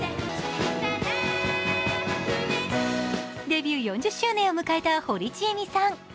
デビュー４０周年を迎えた堀ちえみさん。